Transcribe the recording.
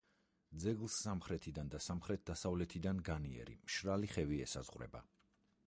ძეგლს სამხრეთიდან და სამხრეთ-დასავლეთიდან განიერი, მშრალი ხევი ესაზღვრება.